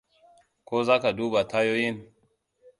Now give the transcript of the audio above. Ko za ka duba tayoyin?